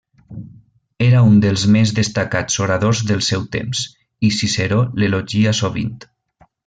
Era un dels més destacats oradors del seu temps, i Ciceró l'elogia sovint.